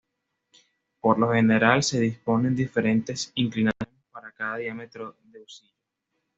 Por lo general, se disponen diferentes inclinaciones para cada diámetro de husillo.